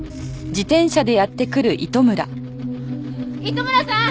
糸村さん！